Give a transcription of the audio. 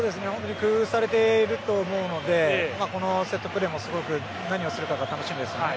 工夫されていると思うのでこのセットプレーもすごく何をするか楽しみです。